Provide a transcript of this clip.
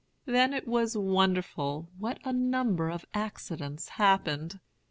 Then it was wonderful what a number of accidents happened.